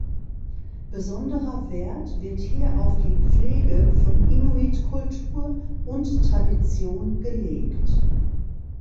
Besonderer Wert wird hier auf die Pflege von Inuit-Kultur und -Tradition gelegt.